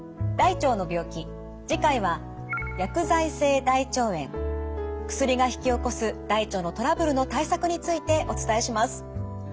大腸の病気次回は薬が引き起こす大腸のトラブルの対策についてお伝えします。